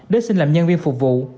đến xin làm nhân viên phục vụ